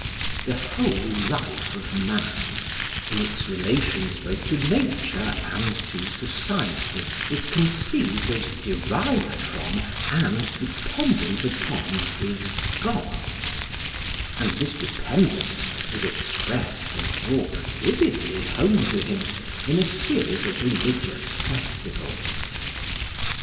The whole life of man, in its relations both to nature and to society, was conceived as derived from and dependent upon his gods; and this dependence was expressed and brought vividly home to him in a series of religious festivals.